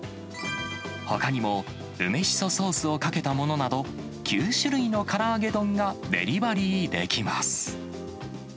ほかにも、梅しそソースをかけたものなど、９種類のから揚げ丼がデリバリーできます。